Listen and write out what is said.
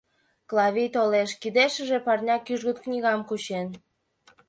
Клавий толеш, кидешыже парня кӱжгыт книгам кучен.